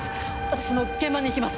私も現場に行きます。